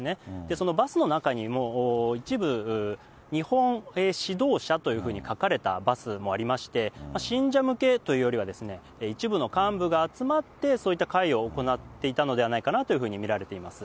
そのバスの中にも、一部日本指導者というふうに書かれたバスもありまして、信者向けというよりは、一部の幹部が集まって、そういった会を行っていたのではないかなと見られています。